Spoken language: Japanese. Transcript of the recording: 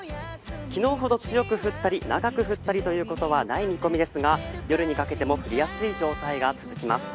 昨日ほど強く降ったり長く降ったりということはない見込みですが、夜にかけても降りやすい状態が続きます。